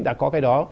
đã có cái đó